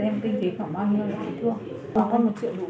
để em tinh tế khoảng bao nhiêu là thuốc